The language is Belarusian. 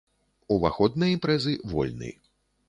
Уваход на імпрэзы вольны.